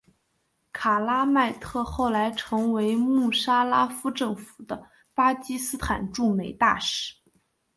卡拉麦特后来成为穆沙拉夫政府的巴基斯坦驻美大使。